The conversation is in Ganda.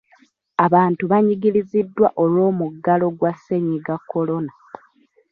Abantu banyigiriziddwa olw’omuggalo ogwa ssenyiga Kolona.